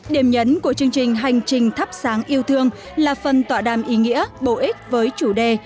điểm nhấn của chương trình hành trình thắp sáng yêu thương là phần tọa đàm ý nghĩa bổ ích với chủ đề